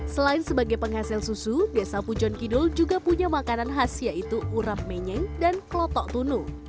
selain sebagai penghasil susu desa pujon kidul juga punya makanan khas yaitu urap menyeng dan kelotok tunu